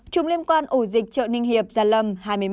năm chùm liên quan ổ dịch trợ ninh hiệp già lâm hai mươi một